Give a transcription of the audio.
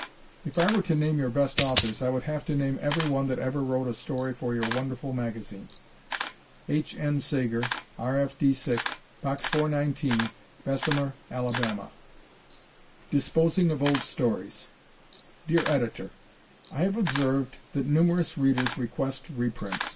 If I were to name your best authors, I would have to name every one that ever wrote a story for your wonderful magazine. H. N. Sager, R. F. D. 6, Box 419, Bessemer, Ala. Disposing of Old Stories Dear Editor: I have observed that numerous readers request reprints.